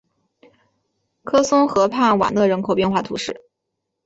科松河畔瓦讷人口变化图示